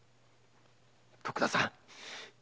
徳田さん。